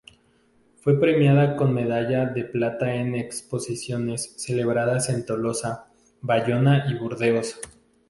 Fue premiada con medalla de plata en exposiciones celebradas en Tolosa, Bayona y Burdeos.